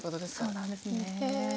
そうなんですね。